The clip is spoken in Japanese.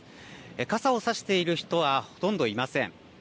傘を差している人はほとんどいません。